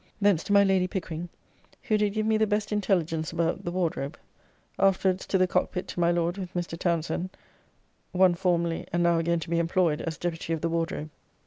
Thence to my Lady Pickering, who did give me the best intelligence about the Wardrobe. Afterwards to the Cockpit to my Lord with Mr. Townsend, one formerly and now again to be employed as Deputy of the Wardrobe.